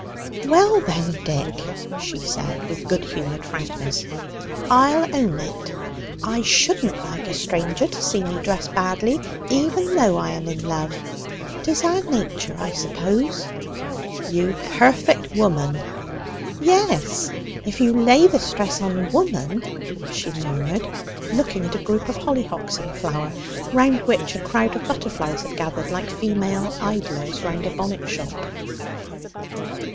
"Well then, Dick," she said, with good humoured frankness, "I'll own it. I shouldn't like a stranger to see me dressed badly, even though I am in love. 'Tis our nature, I suppose." "You perfect woman!" "Yes; if you lay the stress on 'woman,'" she murmured, looking at a group of hollyhocks in flower, round which a crowd of butterflies had gathered like female idlers round a bonnet shop.